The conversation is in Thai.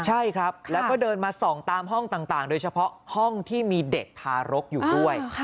ใช่ครับแล้วก็เดินมาส่องตามห้องต่างโดยเฉพาะห้องที่มีเด็กทารกอยู่ด้วย